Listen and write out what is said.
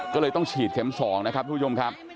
ก็เลยต้องฉีดเข็ม๒นะครับทุกผู้ชมครับ